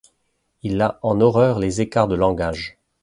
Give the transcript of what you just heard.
Il a en horreur les écarts de langage.